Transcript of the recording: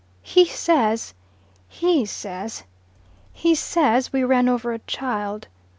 "He says " "He says " "He says we ran over a child."